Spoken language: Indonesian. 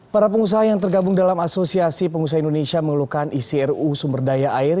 para pengusaha yang tergabung dalam asosiasi pengusaha indonesia mengeluhkan isi ruu sumber daya air